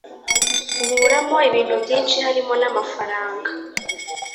Nkuramo ibintu byinshi harimo n’amafaranga.